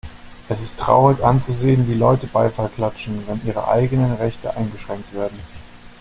Es ist traurig anzusehen, wie Leute Beifall klatschen, wenn ihre eigenen Rechte eingeschränkt werden.